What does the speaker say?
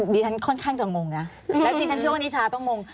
ดิฉันค่อนข้างจะงงนะแล้วดิฉันเชื่อว่านิชาต้องงง